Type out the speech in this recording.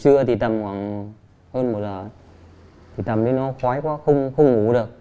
trưa thì tầm khoảng hơn một giờ thì tầm đấy nó khói quá không ngủ được